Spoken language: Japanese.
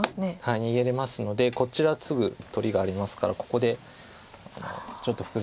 逃げれますのでこちらすぐ取りがありますからここでちょっと複雑な戦いが。